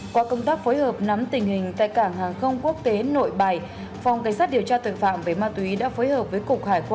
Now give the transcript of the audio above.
qua công tác phối hợp nắm tình hình tại cảng hàng không quốc tế nội bài phòng cảnh sát điều tra tội phạm về ma túy đã phối hợp với cục hải quan